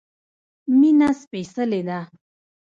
مينه سپيڅلی ده